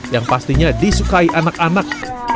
yang pastinya disukai anak anak